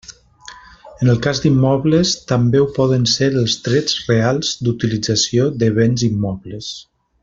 En el cas d'immobles, també ho poden ser els drets reals d'utilització de béns immobles.